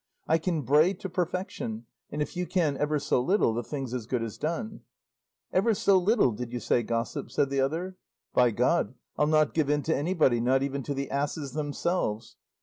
I can bray to perfection, and if you can ever so little, the thing's as good as done.' 'Ever so little did you say, gossip?' said the other; 'by God, I'll not give in to anybody, not even to the asses themselves.